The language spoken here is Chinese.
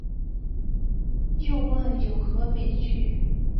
又问有何美句？